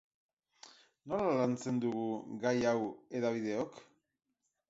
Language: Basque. Nola lantzen dugu gai hau hedabideok?